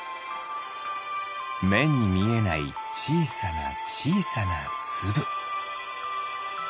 めにみえないちいさなちいさなつぶ。